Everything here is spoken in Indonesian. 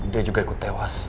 dia juga ikut tewas